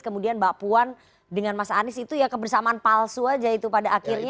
kemudian mbak puan dengan mas anies itu ya kebersamaan palsu aja itu pada akhirnya